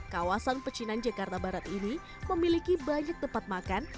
kawasan pecinan jakarta barat ini memiliki banyak tempat makan